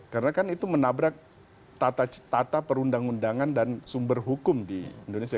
karena kan itu menabrak tata perundang undangan dan sumber hukum di indonesia